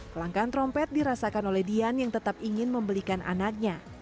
kelangkaan trompet dirasakan oleh dian yang tetap ingin membelikan anaknya